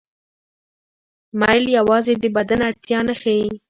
میل یوازې د بدن اړتیا نه ښيي.